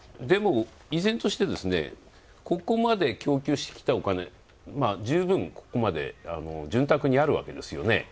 でも、依然として、ここまで供給してきたお金、十分ここまで潤沢にあるわけですよね。